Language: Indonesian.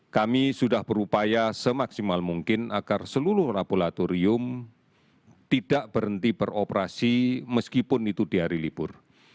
kami sudah berupaya semaksimal mungkin agar seluruh laboratorium tidak berhenti beroperasi meskipun itu di hari libur